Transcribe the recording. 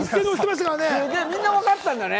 すげぇ、みんな分かってたんだね。